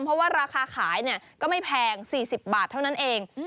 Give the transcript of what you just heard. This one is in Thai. เพราะว่าราคาขายก็ไม่แพง๔๐บาทเท่านั้นเอง